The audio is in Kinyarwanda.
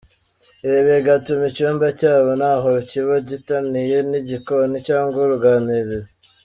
Ibi bigatuma icyumba cyabo ntaho kiba gitaniye n’igikoni cyangwa uruganiriro.